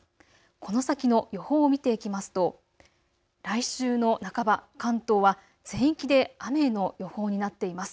この先の予報を見ていきますと、来週の半ば、関東は全域で雨の予報になっています。